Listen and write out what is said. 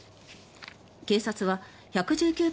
警察は１１９番